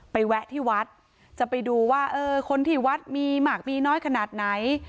แวะที่วัดจะไปดูว่าเออคนที่วัดมีหมากมีน้อยขนาดไหน